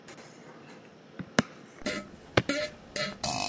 Na sídliště také přicházejí Romové z jiných částí republiky.